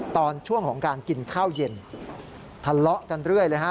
ตอนช่วงของการกินข้าวเย็นทะเลาะกันเรื่อยเลยฮะ